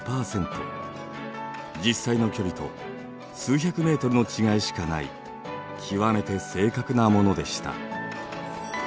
実際の距離と数百メートルの違いしかない極めて正確なものでした。